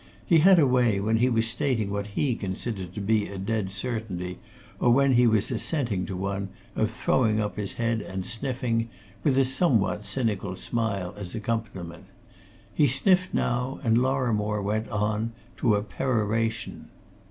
He had a way, when he was stating what he considered to be a dead certainty, or when he was assenting to one, of throwing up his head and sniffing, with a somewhat cynical smile as accompaniment. He sniffed now, and Lorrimore went on to a peroration.